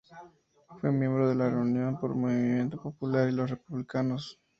Fue miembro de la Unión por un Movimiento Popular y Los Republicanos.